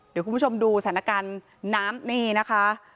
เดี๋ยวคุณผู้ชมดูสถานการณ์น้ำนี่นะคะ